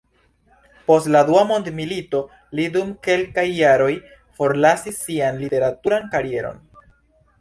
Post la Dua mondmilito li dum kelkaj jaroj forlasis sian literaturan karieron.